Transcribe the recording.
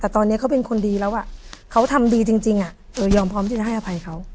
แต่ตอนนี้เขาเป็นคนดีแล้วเขาทำดีจริงยอมพร้อมที่จะให้อภัยเขา